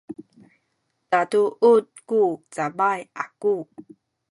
katuud ku cabay aku